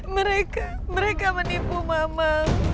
mereka mereka menipu mama